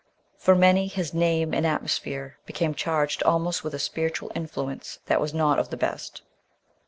For many, his name and atmosphere became charged almost with a spiritual influence that was not of the best.